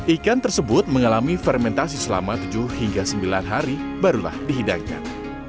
ikan tersebut mengalami fermentasi selama tujuh hingga sembilan hari barulah dihidangkan